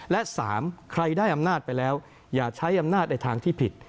และ๓ใครได้อำนาจไปแล้วอย่าใช้อำนาจในทางที่ผิด